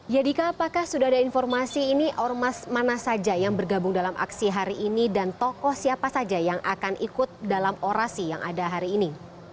ya dika apakah sudah ada informasi ini ormas mana saja yang bergabung dalam aksi hari ini dan tokoh siapa saja yang akan ikut dalam orasi yang ada hari ini